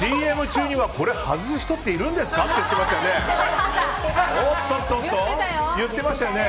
ＣＭ中にはこれ外す人いるんですかって言ってましたよね。